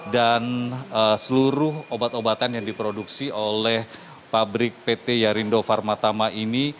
dan seluruh obat obatan yang diproduksi oleh pabrik pt yarindo pharma thama ini